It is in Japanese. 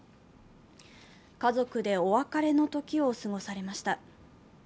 家族でお別れの時を過ごされました。